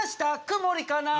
「曇りかな」